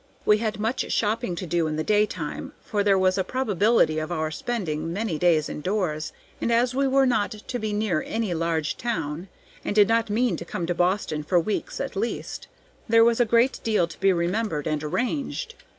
We had much shopping to do in the daytime, for there was a probability of our spending many days in doors, and as we were not to be near any large town, and did not mean to come to Boston for weeks at least, there was a great deal to be remembered and arranged.